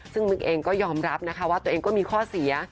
ซึ่งมิ๊กเองก็ยอมรับนะคะว่าตัวเองก็มีข้อเสีย